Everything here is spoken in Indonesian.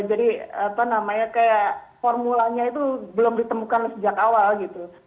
jadi apa namanya kayak formulanya itu belum ditemukan sejak awal gitu